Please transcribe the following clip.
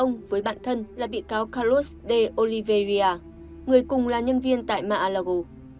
ông baller nói với bạn thân là bị cáo carlos de oliveira người cùng là nhân viên tại mar a lago